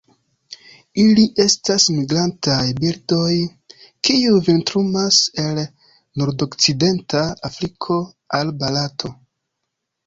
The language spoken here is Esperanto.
Ili estas migrantaj birdoj, kiuj vintrumas el nordokcidenta Afriko al Barato.